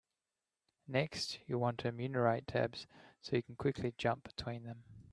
Next, you'll want to enumerate tabs so you can quickly jump between them.